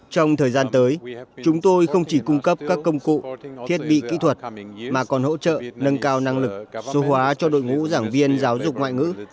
trong thời gian tới chúng tôi không chỉ cung cấp các công cụ thiết bị kỹ thuật mà còn hỗ trợ nâng cao năng lực số hóa cho đội ngũ giảng viên giáo dục ngoại ngữ